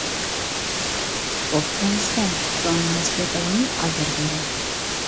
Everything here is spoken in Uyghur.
-بوپتۇ ئەمىسە، كۆڭلىڭىزگە داۋاملىق ئازار بېرەي.